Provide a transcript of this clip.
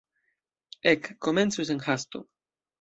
Ek, komencu sen hasto.